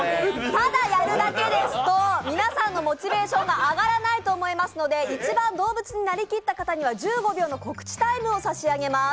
ただやるだけですと、皆さんのモチベーションが上がらないと思いますので、一番動物になりきった方には、１５秒の告知タイムを差し上げます。